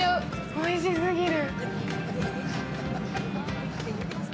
おいしすぎる。